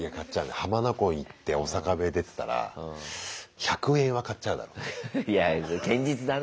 浜名湖行ってオサカベ出てたら１００円は買っちゃうだろうな。